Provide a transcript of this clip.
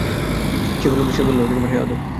সে বলল, হে আদম!